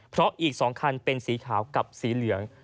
เพราะอีก๒คันเป็นสีขาวกับสีเหลือง